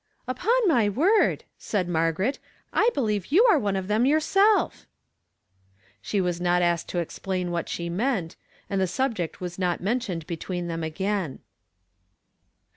"Upon my word," said Margaret, "I believe you are one of them yourself !" She was not asked to explain what she meant ; and the subject was not mentioned between them again.